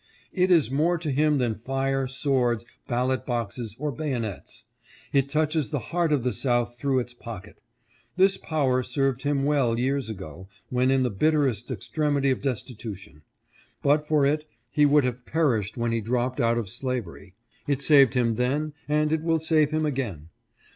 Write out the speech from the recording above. It is more to him than fire, swords, ballot boxes, or bayonets. It touches the heart of the South through its pocket. This power served him well years ago, when in the bitterest extremity of destitution. But for it he would have perished when he dropped out of slavery. It saved him then, and it will save him again.